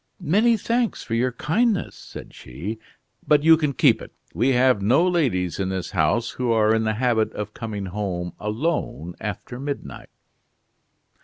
"Many thanks for your kindness," said she, "but you can keep it. We have no ladies in this house who are in the habit of coming home alone after midnight."